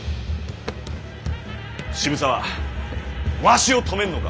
渋沢わしを止めんのか？